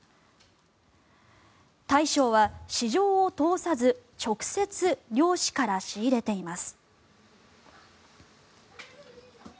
大将は、市場を通さず直接漁師から仕入れています。